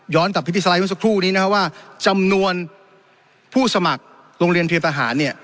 กับพิธีสไลด์เมื่อสักครู่นี้นะครับว่าจำนวนผู้สมัครโรงเรียนเตรียมทหารเนี่ย